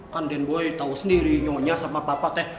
kan den boy tau sendiri nyonya sama papa teh